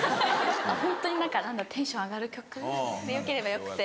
ホントに何だろうテンション上がる曲でよければよくて。